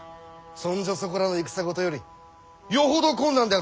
そんじょそこらの戦事よりよほど困難であるぞ！